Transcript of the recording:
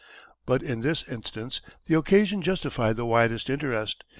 But in this instance the occasion justified the widest interest.